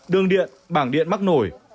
đường điện bảng điện mắc nổi